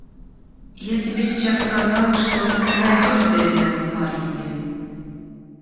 Я тебе сейчас сказал, что ты не найдешь перемен в Марьине...